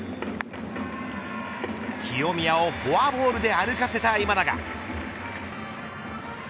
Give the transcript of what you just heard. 清宮をフォアボールで歩かせた今永。